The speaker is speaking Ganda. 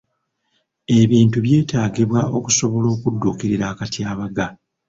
Ebintu byetaagibwa okusobora okudduukirira akatyabaga.